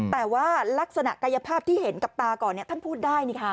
แต่ว่าลักษณะกายภาพที่เห็นกับตาก่อนท่านพูดได้